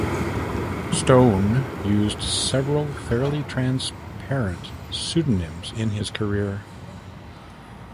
Stone used several fairly transparent pseudonyms in his career.